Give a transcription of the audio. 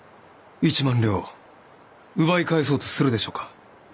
１万両奪い返そうとするでしょうか？